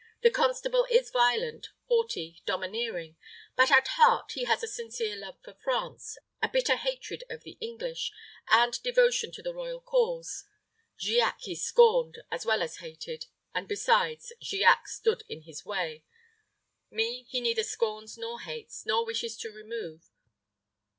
The constable is violent, haughty, domineering; but at heart he has a sincere love for France, a bitter hatred of the English, and devotion to the royal cause. Giac he scorned, as well as hated; and besides, Giac stood in his way. Me he neither scorns nor hates, nor wishes to remove.